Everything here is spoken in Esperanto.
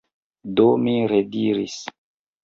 Do mi rediris